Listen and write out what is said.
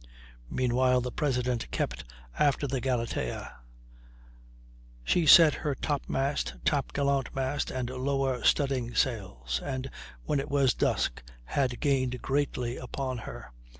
Meanwhile the President kept after the Galatea; she set her top mast, top gallant mast and lower studding sails, and when it was dusk had gained greatly upon her.